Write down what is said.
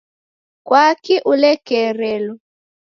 Kwaki ulekerelo?